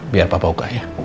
biar papa buka ya